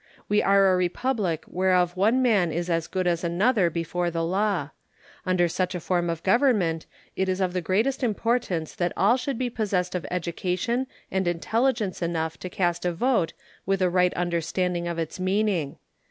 We are a republic whereof one man is as good as another before the law. Under such a form of government it is of the greatest importance that all should be possessed of education and intelligence enough to cast a vote with a right understanding of its meaning.